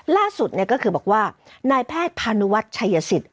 ล่าสุดนี่ก็คือนายแพทย์พนวกชัยศิษย์